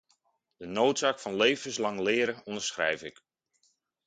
De noodzaak van levenslang leren onderschrijf ik.